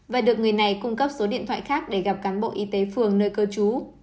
và được người này cung cấp số điện thoại khác để gặp cán bộ y tế phường nơi cư trú